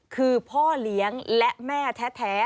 คือพ่อเลี้ยงและแม่แท้